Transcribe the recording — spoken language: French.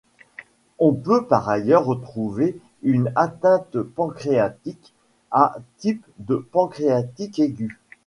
On peut par ailleurs retrouver une atteinte pancréatique à type de pancréatite aiguë.